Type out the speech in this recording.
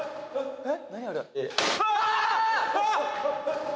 えっ？